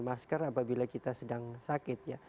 masker apabila kita sedang sakit ya